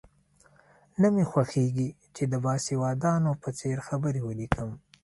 نه مې خوښېږي چې د باسوادانو په څېر خبرې ولیکم.